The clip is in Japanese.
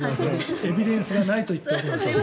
エビデンスがないと言っております。